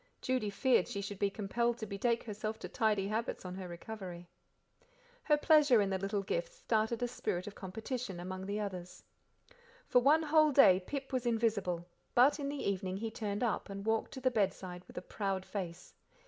Judy feared she should be compelled to betake herself to tidy habits on her recovery. Her pleasure in the little gifts started a spirit of competition among the others. For one whole day Pip was invisible, but in the evening he turned up, and walked to the bedside with a proud face.